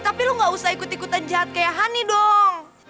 tapi lu gak usah ikut ikutan jahat kayak honey dong